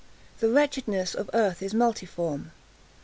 The wretchedness of earth is multiform.